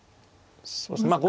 そうですね。